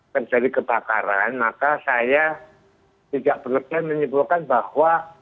terjadi kepakaran maka saya tidak perlu menyebutkan bahwa